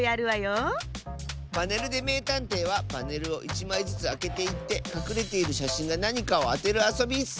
「パネルでめいたんてい」はパネルを１まいずつあけていってかくれているしゃしんがなにかをあてるあそびッス！